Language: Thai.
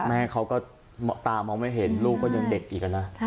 แม่เขาก็ตามองไม่เห็นลูกก็ยังเด็กอีกนะ